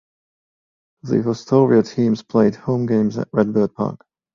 The Fostoria teams played home games at Redbird Park.